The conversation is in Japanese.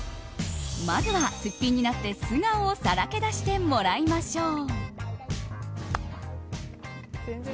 まずは、すっぴんになって素顔をさらけ出してもらいましょう。